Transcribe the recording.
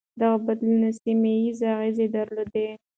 دغه بدلون سيمه ييز اغېز درلود.